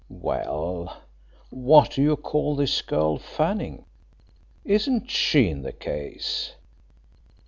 "Well, what do you call this girl Fanning? Isn't she in the case?